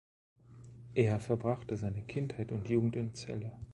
Er verbrachte seine Kindheit und Jugend in Celle.